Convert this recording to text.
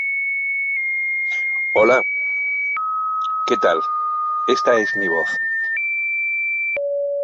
Para las hernias más grandes y complejas, la operación ocurre bajo anestesia general.